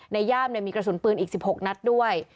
ย่ามมีกระสุนปืนอีก๑๖นัดด้วย